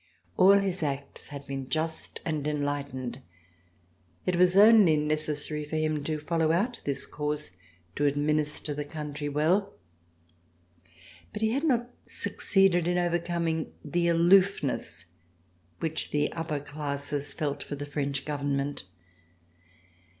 All his acts had been just and en lightened. It was only necessary for him to follow out this course to administer the country well, but he had not succeeded in overcoming the aloofness which the upper classes felt for the French govern ment.